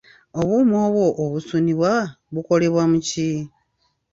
Obuuma obwo obusunibwa bukolebwa mu ki?